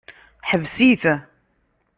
Ḥbes-it.